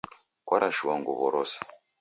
Kwarashua nguwo rose?